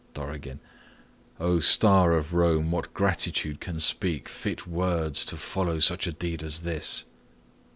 Dorigen. O star of Rome! what gratitude can speak Fit words to follow such a deed as this?